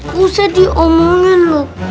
musa diomongin loh